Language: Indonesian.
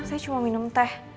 saya cuma minum teh